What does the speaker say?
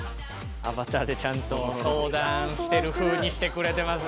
アバターでちゃんと相談してるふうにしてくれてますね。